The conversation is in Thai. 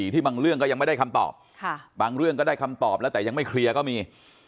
ที่บางเรื่องก็ยังไม่ได้คำตอบบางเรื่องก็ได้คำตอบแล้วแต่ยังไม่เคลียร์ก็มี